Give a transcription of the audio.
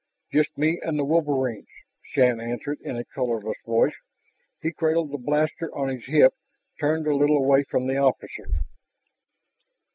"Just me and the wolverines," Shann answered in a colorless voice. He cradled the blaster on his hip, turned a little away from the officer.